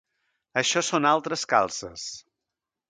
Això són altres calces.